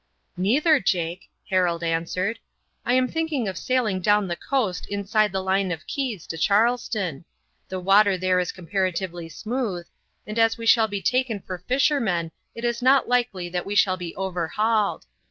"Neither, Jake," Harold answered. "I am thinking of sailing down the coast inside the line of keys to Charleston. The water there is comparatively smooth, and as we shall be taken for fishermen it is not likely that we shall be overhauled.